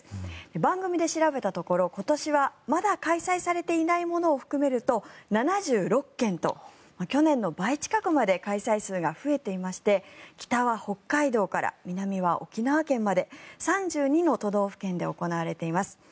番組で調べたところ今年はまだ開催されていないものを含めると７６件と去年の倍近くまで開催数が増えていまして北は北海道から南は沖縄県まで３２の都道府県で行われています。